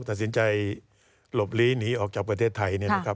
ตัดสินใจหลบลี้หนีออกจากประเทศไทย